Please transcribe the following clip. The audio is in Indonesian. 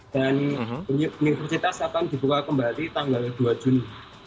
dan universitas akan dibuka kembali tanggal dua juni